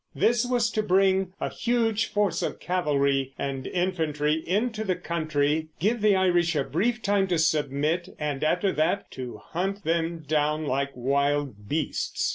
This was to bring a huge force of cavalry and infantry into the country, give the Irish a brief time to submit, and after that to hunt them down like wild beasts.